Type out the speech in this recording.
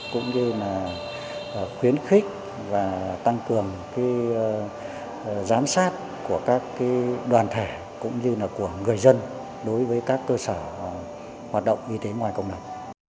cũng như khuyến khích và tăng cường giám sát của các đoàn thể cũng như của người dân đối với các cơ sở hoạt động y tế ngoài công đập